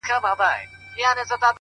پوهه د شکونو پر ځای رڼا راولي